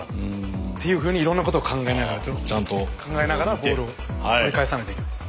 っていうふうにいろんなことを考えながら考えながらボールを取り返さないといけないです。